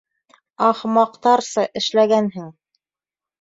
— Ахмаҡтарса эшләгәнһең.